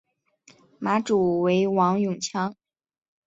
马主为王永强。